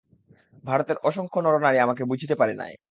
ভারতের অসংখ্য নরনারী আমাকে বুঝিতে পারে নাই।